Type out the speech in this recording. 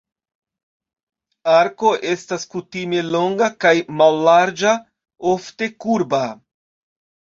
Arko estas kutime longa kaj mallarĝa, ofte kurba.